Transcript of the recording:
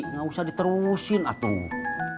nggak usah diterusin atuh